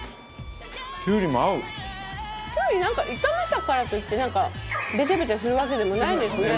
きゅうりなんか炒めたからといってべちゃべちゃするわけでもないんですね。